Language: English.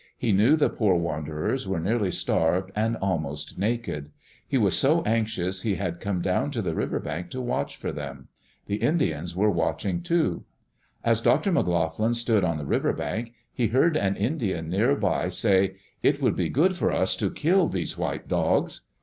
He knew the poor wanderers were nearly starved and almost naked. He was so anxious he had come down to the Digitized by CjOOQ IC EARLY DAYS IN OLD OREGON river bank to watch for them. The Indians were watching too. As Dr. McLoughlin stood on the river bank, he heard an Indian near by say, "It would be good for us to kill these white dogs."